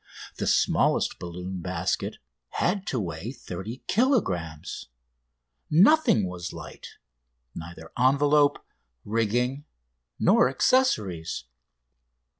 The smallest balloon basket had to weigh 30 kilogrammes (66 lbs.). Nothing was light neither envelope, rigging, nor accessories.